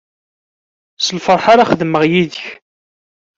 S lferḥ ara xedmeɣ yid-k.